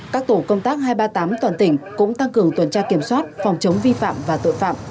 các tổ công tác hai trăm ba mươi tám toàn tỉnh cũng tăng cường tuần tra kiểm soát phòng chống vi phạm và tội phạm